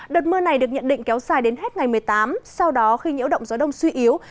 đợt mưa này được nhận định kéo dài đến hết ngày một mươi tám sau đó khi nhiễu động gió đông suy yếu